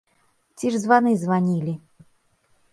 Ці ж званы званілі?